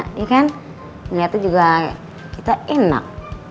iya kan ngeliatnya juga kita enak